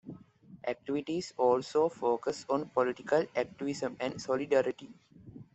Activities also focused on political activism and solidarity.